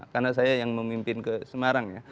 karena saya yang memimpin ke semarang